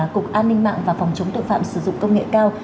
cục an ninh mạng và phòng chống tội phạm sử dụng công nghệ cao